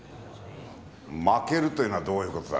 負けるというのはどういうことだね？